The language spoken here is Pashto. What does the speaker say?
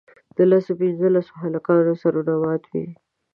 د لسو پینځلسو هلکانو سرونه مات وي.